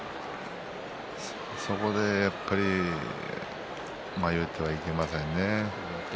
そこでやっぱり迷ってはいけませんね。